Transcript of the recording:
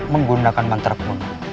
menggunakan mantra pemungut